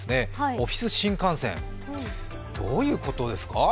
オフィス新幹線、どういうことですか？